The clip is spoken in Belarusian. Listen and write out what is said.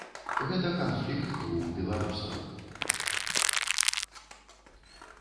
Гэта канфлікт двух беларусаў.